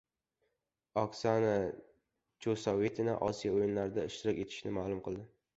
Oksana Chusovitina Osiyo o‘yinlarida ishtirok etishini ma’lum qildi